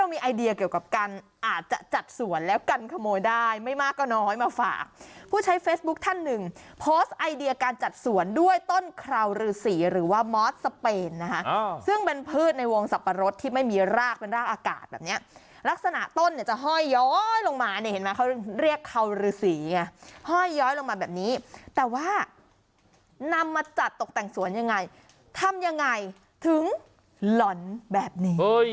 ไอเดียเกี่ยวกับการอาจจะจัดสวนแล้วกันขโมยได้ไม่มากก็น้อยมาฝากผู้ใช้เฟสบุ๊คท่านหนึ่งโพสไอเดียการจัดสวนด้วยต้นคราวรือสีหรือว่ามอสสเปนนะฮะซึ่งเป็นพืชในวงสับปะรดที่ไม่มีรากเป็นรากอากาศแบบเนี้ยลักษณะต้นเนี้ยจะห้อยย้อยลงมาเนี้ยเห็นไหมเขาเรียกคราวรือสีไงห้อยย้อยลงมาแบบน